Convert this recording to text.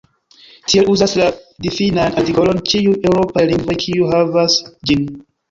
Tiel uzas la difinan artikolon ĉiuj eŭropaj lingvoj kiuj havas ĝin.